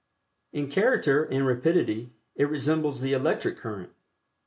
In character and rapidity it resembles the electric current.